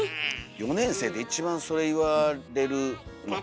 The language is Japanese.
４年生で一番それ言われるのかもね。